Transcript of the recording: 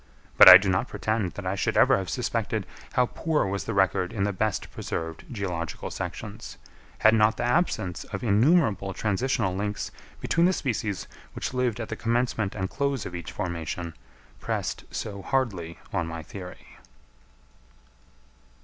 But I do not pretend that I should ever have suspected how poor was the record in the best preserved geological sections, had not the absence of innumerable transitional links between the species which lived at the commencement and close of each formation, pressed so hardly on my theory.